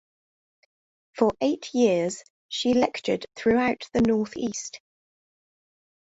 For eight years, she lectured throughout the northeast.